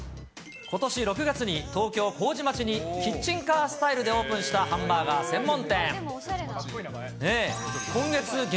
ことし６月に東京・麹町に、キッチンカースタイルでオープンしたハンバーガー専門店。